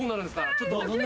ちょっと。